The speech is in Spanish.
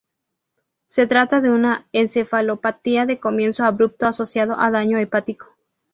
Se trata de una encefalopatía de comienzo abrupto asociado a daño hepático.